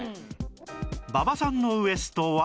馬場さんのウエストは